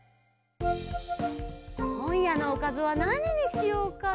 こんやのおかずはなににしようかな。